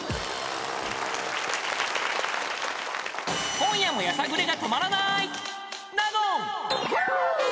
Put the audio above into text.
［今夜もやさぐれが止まらない］